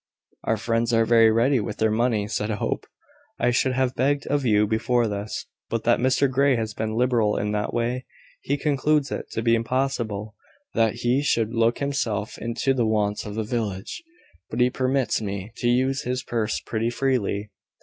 "Our friends are very ready with their money," said Hope. "I should have begged of you before this, but that Mr Grey has been liberal in that way. He concludes it to be impossible that he should look himself into the wants of the village; but he permits me to use his purse pretty freely.